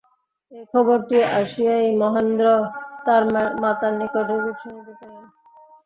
এই খবরটি আসিয়াই মহেন্দ্র তাঁহার মাতার নিকট হইতে শুনিতে পাইলেন।